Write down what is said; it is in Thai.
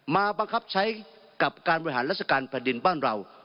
มาบังคับใช้กับการบริหารราชการแผ่นดินบ้านเรา